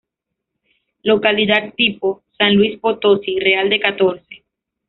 Localidad tipo: San Luis Potosí: Real de Catorce.